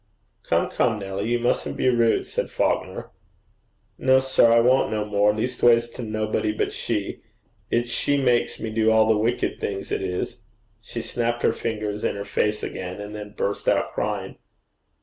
'Come, come, Nelly, you mustn't be rude,' said Falconer. 'No, sir, I won't no more, leastways to nobody but she. It's she makes me do all the wicked things, it is.' She snapped her fingers in her face again, and then burst out crying.